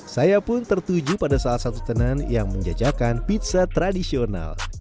saya pun tertuju pada salah satu tenan yang menjajakan pizza tradisional